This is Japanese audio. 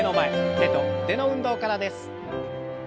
手と腕の運動からです。